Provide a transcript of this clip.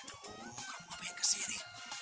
aduh kamu ngapain kesini